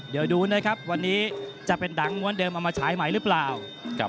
เดี๋ยวดูนะครับวันนี้จะเป็นดังม้วนเดิมเอามาฉายใหม่หรือเปล่า